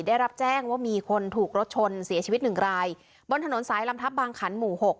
ได้รับแจ้งว่ามีคนถูกรถชนเสียชีวิตหนึ่งรายบนถนนสายลำทับบางขันหมู่หก